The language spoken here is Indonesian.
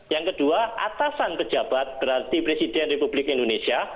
yang kedua atasan pejabat berarti presiden republik indonesia